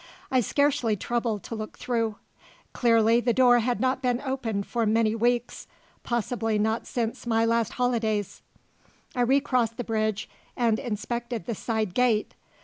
I scarcely troubled to look through. Clearly, the door had not been opened for many weeks possibly not since my last holidays. I recrossed the bridge and inspected the side gate.